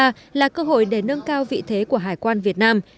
lần thứ một mươi ba là cơ hội để nâng cao vị thế của hải quan việt nam